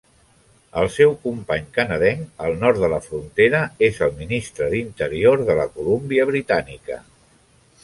El seu company canadenc, al nord de la frontera, és el ministre d'interior de la Colúmbia Britànica.